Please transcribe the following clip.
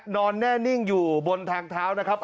นอนแน่นิ่งอยู่บนทางเท้านะครับ